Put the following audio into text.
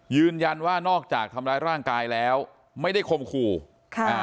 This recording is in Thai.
ยืนยันว่านอกจากทำร้ายร่างกายแล้วไม่ได้คมขู่ค่ะอ่า